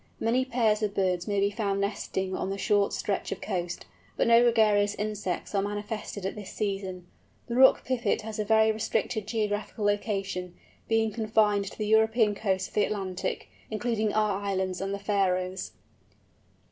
Many pairs of birds may be found nesting on a short stretch of coast, but no gregarious instincts are manifested at this season. The Rock Pipit has a very restricted geographical distribution, being confined to the European coasts of the Atlantic, including our islands and the Faröes.